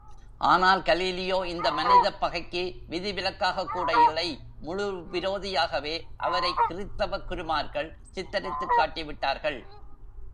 ஆனால், கலீலியோ இந்த மனிதப் பகைக்கு விதிவிலக்காகக்கூட இல்லை முழு விரோதியாகவே அவரை கிறித்தவ குருமார்கள் சித்தரித்துக் காட்டிவிட்டார்கள்.